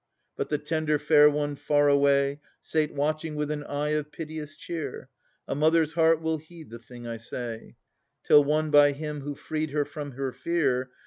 But the tender fair one far away Sate watching with an eye of piteous cheer (A mother's heart will heed the thing I say,) Till won by him who freed her from her fear.